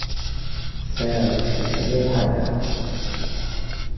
Sɛiɣ aqcic ad t-ḥadreɣ.